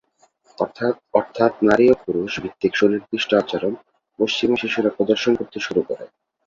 অর্থাৎ, অর্থাৎ নারী ও পুরুষ ভিত্তিক সুনির্দিষ্ট আচরণ পশ্চিমা শিশুরা প্রদর্শন করতে শুরু করে।